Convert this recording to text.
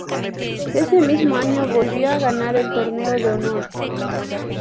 Ese mismo año volvió a ganar el Torneo de Honor.